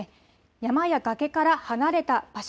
山や崖から離れた場所。